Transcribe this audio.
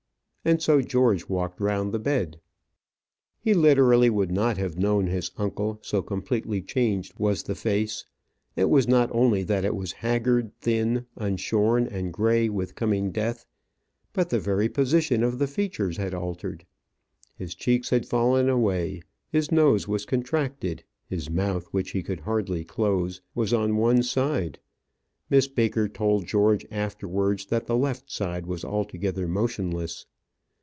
And so George walked round the bed. He literally would not have known his uncle, so completely changed was the face. It was not only that it was haggard, thin, unshorn, and gray with coming death; but the very position of the features had altered. His cheeks had fallen away; his nose was contracted; his mouth, which he could hardly close, was on one side. Miss Baker told George afterwards that the left side was altogether motionless.